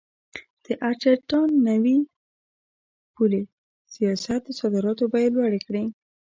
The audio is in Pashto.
د ارجنټاین نوي پولي سیاست د صادراتو بیې لوړې کړې.